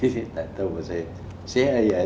saya tak tahu apa saya